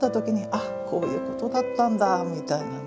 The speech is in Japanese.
あこういうことだったんだみたいなね